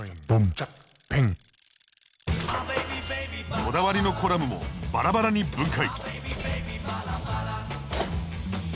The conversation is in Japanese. こだわりのコラムもバラバラに分解。